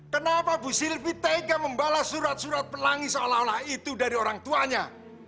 kenapa bu sylvie tega membalas surat surat pelangi seolah olah itu dari orang tuanya